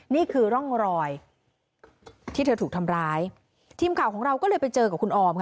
นี่คือร่องรอยที่เธอถูกทำร้ายทีมข่าวของเราก็เลยไปเจอกับคุณออมค่ะ